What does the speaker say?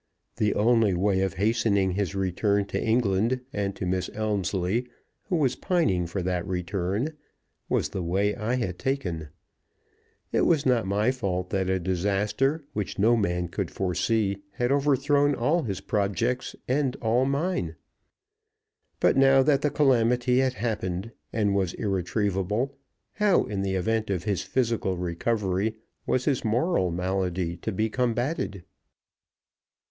The only way of hastening his return to England and to Miss Elmslie, who was pining for that return, was the way I had taken. It was not my fault that a disaster which no man could foresee had overthrown all his projects and all mine. But, now that the calamity had happened and was irretrievable, how, in the event of his physical recovery, was his moral malady to be combated?